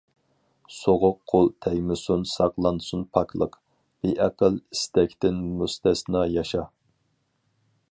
سوغۇق قۇل تەگمىسۇن ساقلانسۇن پاكلىق، بىئەقىل ئىستەكتىن مۇستەسنا ياشا.